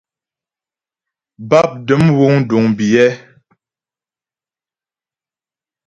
Bápdəm wúŋ duŋ biyɛ́.